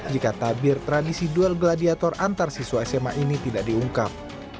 jika tabir tradisi duel gladiator antar siswa sma ini tidak diungkap